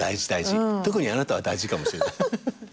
特にあなたは大事かもしれない。